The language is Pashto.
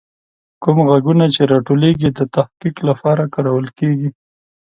کوم غږونه چې راټولیږي، د تحقیق لپاره کارول کیږي.